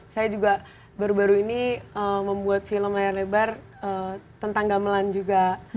saya juga baru baru ini membuat film layar lebar tentang gamelan juga